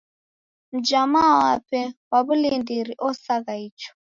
Mnjama wape wa w'ulindiri osagha icho.